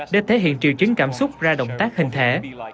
để thể hiện triệu chứng cảm xúc ra động tác hình thể